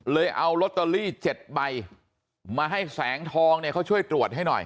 เอาลอตเตอรี่๗ใบมาให้แสงทองเนี่ยเขาช่วยตรวจให้หน่อย